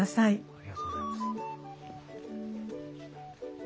ありがとうございます。